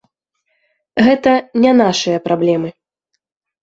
Гэта не нашыя праблемы.